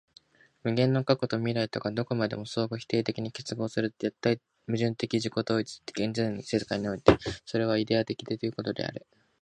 無限の過去と未来とがどこまでも相互否定的に結合する絶対矛盾的自己同一的現在の世界においては、それはイデヤ的ということができる。